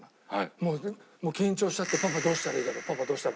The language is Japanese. もう緊張しちゃってパパどうしたらいいだろうパパどうしたら。